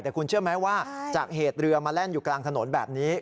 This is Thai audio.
แต่คุณเชื่อไหมว่าจากเหตุเรือมาแล่นอยู่กลางถนนแบบนี้